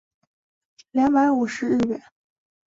两百五十日圆